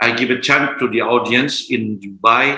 saya memberikan kesempatan kepada penonton di dubai